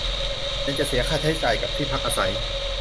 และยังจะเสียค่าใช้จ่ายกับที่พักอาศัย